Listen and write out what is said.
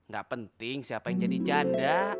gak penting siapa yang jadi janda